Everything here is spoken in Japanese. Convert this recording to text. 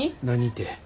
何て。